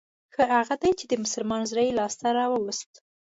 ښه هغه دی چې د مسلمان زړه يې لاس ته راووست.